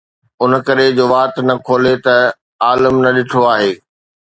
ان ڪري جو وات نه کولي ته عالم نه ڏٺو آهي